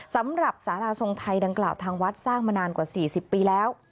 สำหรับสาราทรงไทยดังกล่าวทางวัดสร้างมานานกว่า๔๐ปีแล้ว